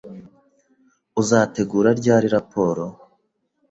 Uzategura ryari raporo?